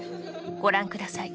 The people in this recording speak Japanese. ご覧ください。